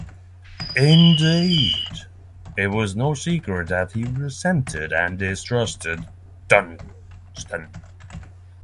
Indeed, it was no secret that he resented and distrusted Dunstan.